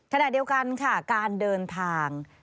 ขณะเดียวกันค่ะการเดินทาง